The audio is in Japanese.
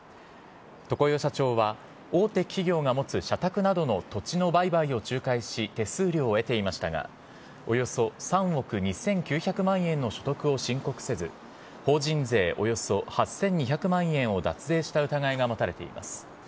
常世社長は、大手企業が持つ社宅などの土地の売買を仲介し、手数料を得ていましたが、およそ３億２９００万円の所得を申告せず、法人税およそ８２００万円を脱税した疑いが持たれています。